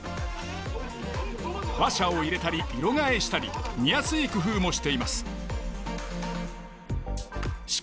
話者を入れたり色替えしたり見やすい工夫もしています。